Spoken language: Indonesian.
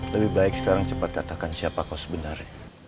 lebih baik sekarang kita cepat katakan siapa kau sebenarnya